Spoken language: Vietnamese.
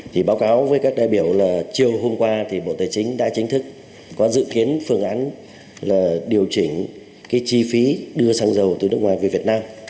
thì báo cáo với các đại biểu là chiều hôm qua thì bộ tài chính đã chính thức có dự kiến phương án là điều chỉnh cái chi phí đưa xăng dầu từ nước ngoài về việt nam